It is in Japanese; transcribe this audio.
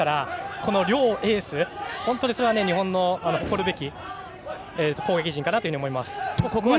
この両エース本当に日本の誇るべき攻撃陣だと思います。